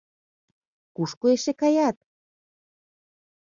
— Кушко эше каят?